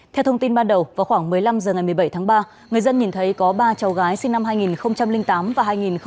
theo thông tin ban đầu vào khoảng một mươi năm h ngày một mươi bảy tháng ba người dân nhìn thấy có ba cháu gái sinh năm hai nghìn tám và hai nghìn tám